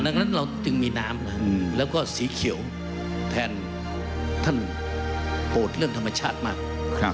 ดังนั้นเราจึงมีน้ำแล้วก็สีเขียวแทนท่านโปรดเรื่องธรรมชาติมาก